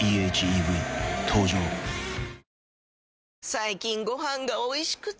最近ご飯がおいしくて！